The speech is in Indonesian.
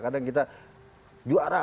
kadang kita juara